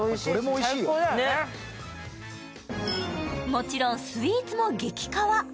もちろんスイーツも激かわ。